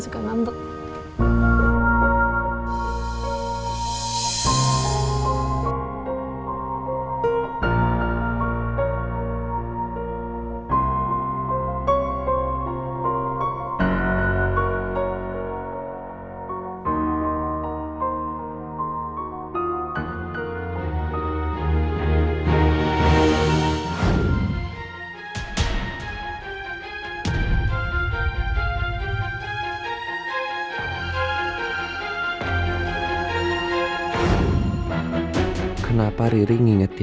kamu tuh kecil lagi